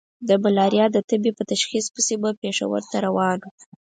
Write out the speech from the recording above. د ملاريا د تبې په تشخيص پسې به پېښور ته روان وو.